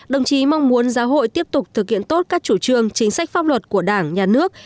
đồng chí mong muốn giáo hội tiếp tục thực hiện tốt các chủ trương chính sách pháp luật của đảng nhà nước